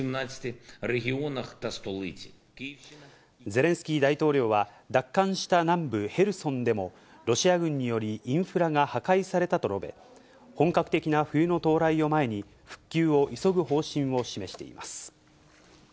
ゼレンスキー大統領は、奪還した南部ヘルソンでも、ロシア軍によりインフラが破壊されたと述べ、本格的な冬の到来を前に、復旧を急ぐ方針を示しています。